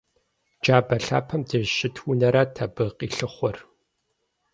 Джабэ лъапэм деж щыт унэрат абы къилъыхъуэр.